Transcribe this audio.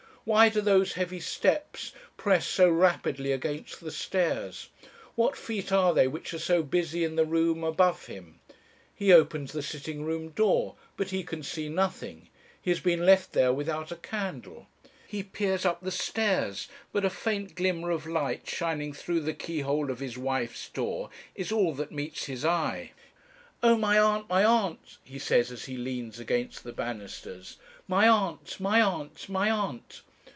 Why do those heavy steps press so rapidly against the stairs? What feet are they which are so busy in the room above him? He opens the sitting room door, but he can see nothing. He has been left there without a candle. He peers up the stairs, but a faint glimmer of light shining through the keyhole of his wife's door is all that meets his eye. 'Oh, my aunt! my aunt!' he says as he leans against the banisters. 'My aunt, my aunt, my aunt!'